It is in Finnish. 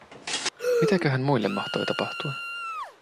Mitäköhän muille mahtoi tapahtua?